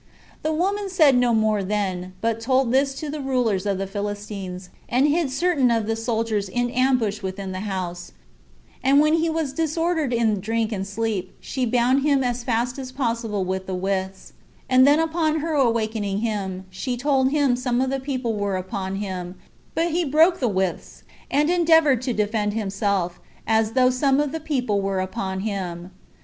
The woman said no more then, but told this to the rulers of the Philistines, and hid certain of the soldiers in ambush within the house; and when he was disordered in drink and asleep, she bound him as fast as possible with the withs; and then upon her awakening him, she told him some of the people were upon him; but he broke the withs, and endeavored to defend himself, as though some of the people were upon him.